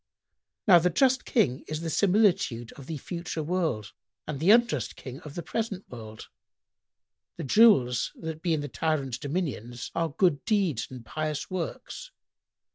[FN#103] "Now the just King is the similitude of the future world and the unjust King that of the present world ; the jewels that be in the tyrant's dominions are good deeds and pious works.